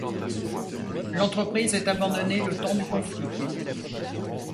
L'entreprise est abandonnée le temps du conflit.